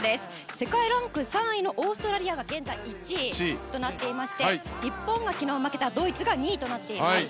世界ランク３位のオーストラリアが現在１位となっていまして日本が昨日負けたドイツが２位となっています。